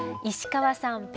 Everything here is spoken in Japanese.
石川さん